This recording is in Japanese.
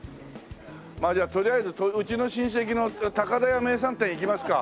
まあじゃあとりあえずうちの親戚の「高田屋銘産店」行きますか。